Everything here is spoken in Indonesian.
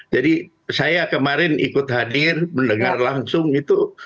jadi saya kemarin ikut hadir mendengar langsung itu